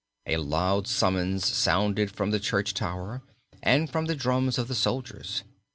A loud summons sounded from the church tower and from the drums of the soldiers.